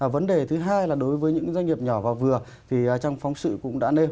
vấn đề thứ hai là đối với những doanh nghiệp nhỏ và vừa thì trong phóng sự cũng đã nêu